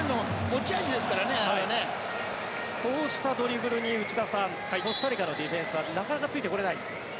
こうしたドリブルに内田さん、コスタリカのディフェンスはなかなかついてこれない。